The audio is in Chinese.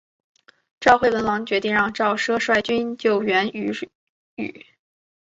赵惠文王决定让赵奢率军救援阏与。